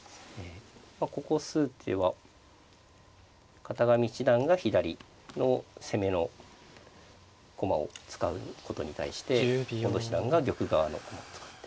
まあここ数手は片上七段が左の攻めの駒を使うことに対して近藤七段が玉側の駒を使って。